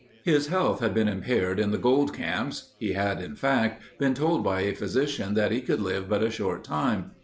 His health had been impaired in the gold camps; he had, in fact, been told by a physician that he could live but a short time.